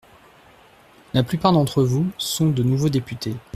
La plupart d’entre vous sont de nouveaux députés.